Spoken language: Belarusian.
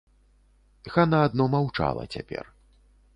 Хана адно маўчала цяпер.